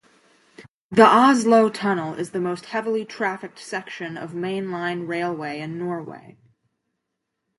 The Oslo Tunnel is the most heavily trafficked section of mainline railway in Norway.